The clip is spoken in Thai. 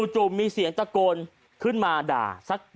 จู่มีเสียงตะโกนขึ้นมาด่า